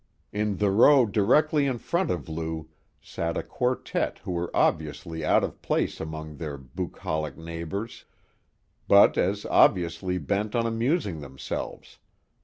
In the row directly in front of Lou sat a quartet who were obviously out of place among their bucolic neighbors, but as obviously bent on amusing themselves.